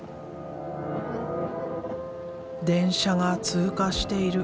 電車が通過している。